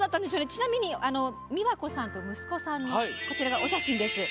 ちなみに美和子さんと息子さんのお写真です。